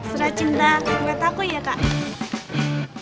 surat cinta buat aku ya kak